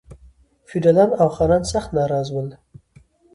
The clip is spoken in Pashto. فیوډالان او خانان سخت ناراض ول.